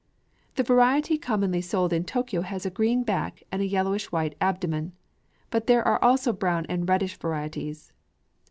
The variety commonly sold in Tōkyō has a green back, and a yellowish white abdomen; but there are also brown and reddish varieties.